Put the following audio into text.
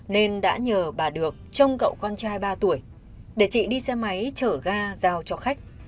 nên đã nhờ bà được trông cậu con trai ba tuổi để chị đi xe máy chở ga giao cho khách